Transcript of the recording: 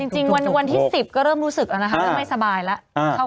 จริงวันที่๑๐ก็เริ่มรู้สึกไม่สบายแล้ว